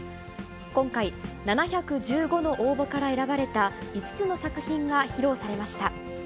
今回、７１５の応募から選ばれた５つの作品が披露されました。